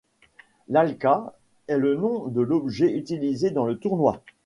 L'Alka est le nom de l'objet utilisé dans le tournoi.